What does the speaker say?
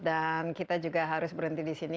dan kita juga harus berhenti di sini